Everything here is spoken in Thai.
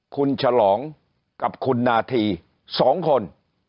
คุณฉลองกับคุณนาธี๒คน